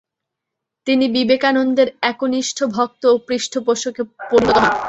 তিনি বিবেকানন্দের একনিষ্ঠ ভক্ত ও পৃষ্ঠপোষকে পরিণত হন।